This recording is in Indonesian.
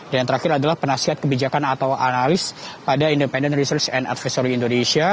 dan yang terakhir adalah penasihat kebijakan atau analis pada independent research and advisory indonesia